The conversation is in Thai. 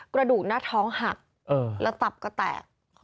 กระดูกหน้าท้องหักแล้วตับก็แตก